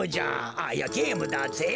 あいやゲームだぜ。